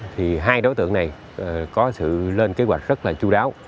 thì hai đối tượng này có sự lên kế hoạch rất là chú đáo